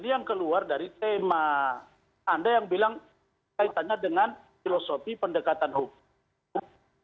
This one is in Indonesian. yang keluar dari tema anda yang bilang kaitannya dengan filosofi pendekatan hukum